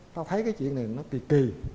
tao thấy cái chuyện này nó kì kì